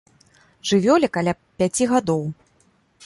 Жывёле каля пяці гадоў.